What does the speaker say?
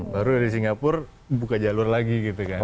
baru dari singapura buka jalur lagi gitu kan